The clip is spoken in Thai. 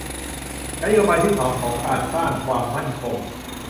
นโยบายที่สองการสร้างความมั่นคง